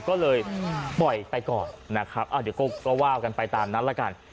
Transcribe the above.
ก็เลยปล่อยไปก่อนนะครับเดี๋ยวก็ว่ากันไปตามนั้นละกัน